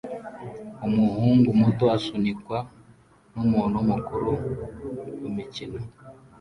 Umuhungu muto asunikwa numuntu mukuru kumikino